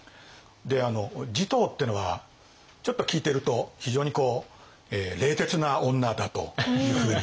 持統ってのはちょっと聞いてると非常にこう冷徹な女だというふうに。